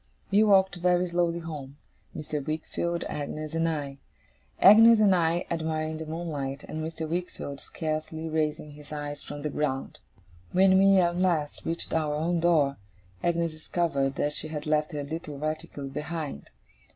We walked very slowly home, Mr. Wickfield, Agnes, and I Agnes and I admiring the moonlight, and Mr. Wickfield scarcely raising his eyes from the ground. When we, at last, reached our own door, Agnes discovered that she had left her little reticule behind.